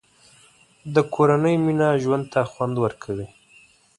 د کورنۍ مینه ژوند ته خوند ورکوي.